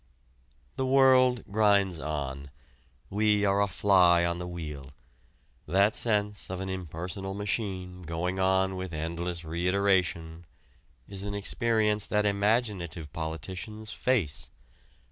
The world grinds on: we are a fly on the wheel. That sense of an impersonal machine going on with endless reiteration is an experience that imaginative politicians face.